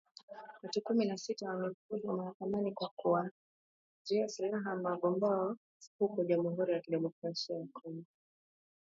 Watu kumi na sita wamefikishwa mahakamani kwa kuwauzia silaha wanamgambo huko Jamuhuri ya kidemokrasia ya Kongo